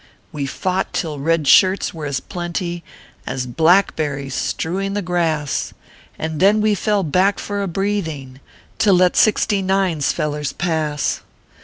We fought till red shirts were as plenty As blackberries, strewing the grass, And then we fell back for a breathing, To let Sixty nine s fellers pass.